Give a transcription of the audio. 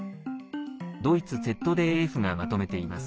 ドイツＺＤＦがまとめています。